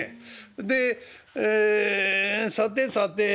でさてさて